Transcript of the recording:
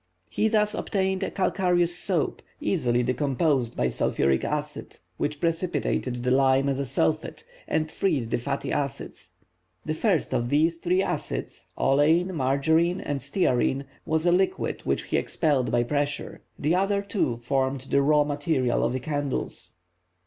He thus obtained a calcareous soap, easily decomposed by sulphuric acid, which precipitated the lime as a sulphate, and freed the fatty acids. The first of these three acids (oleine, margarine, and stearine) was a liquid which he expelled by pressure. The other two formed the raw material of the candles.